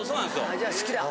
あじゃあ好きだ。